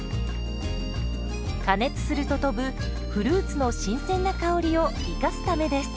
加熱すると飛ぶフルーツの新鮮な香りを生かすためです。